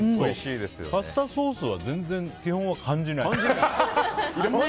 パスタソースは全然、基本は感じない。